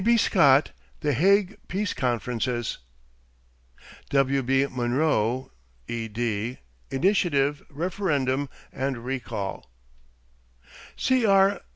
B. Scott, The Hague Peace Conferences. W.B. Munro (ed.), Initiative, Referendum, and Recall. C.R.